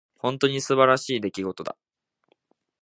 本当に素晴らしい出来事だ。